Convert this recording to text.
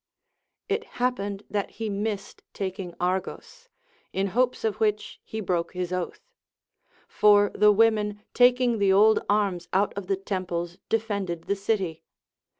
It happened that he missed taking Argos, in hopes of which he broke his oath ; for the women taking the old arms out of the temples defended the city.